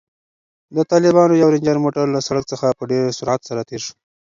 د طالبانو یو رنجر موټر له سړک څخه په ډېر سرعت سره تېر شو.